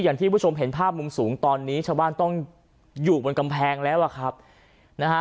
อย่างที่ผู้ชมเห็นภาพมุมสูงตอนนี้ชาวบ้านต้องอยู่บนกำแพงแล้วอ่ะครับนะฮะ